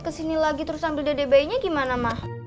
kesini lagi terus ambil dede bayinya gimana ma